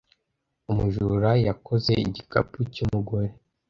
Umujura yakoze igikapu cy’umugore.